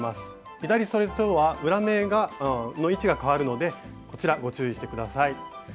左そでとは裏目の位置が変わるのでこちらご注意して下さい。